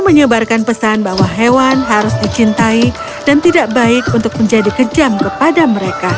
menyebarkan pesan bahwa hewan harus dicintai dan tidak baik untuk menjadi kejam kepada mereka